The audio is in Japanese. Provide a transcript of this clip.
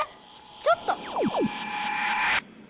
ちょっと！